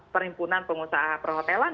perhimpunan pengusaha perhotelan